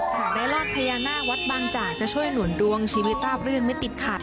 หากได้รอดพญานาควัดบางจากจะช่วยหนุนดวงชีวิตราบรื่นไม่ติดขัด